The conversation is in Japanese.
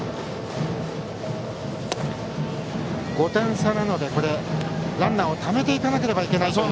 ５点差なのでランナーをためていかなければいけない。